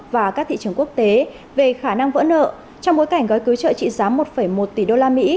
và các thị trường quốc tế về khả năng vỡ nợ trong bối cảnh gói cứu trợ trị giá một một tỷ đô la mỹ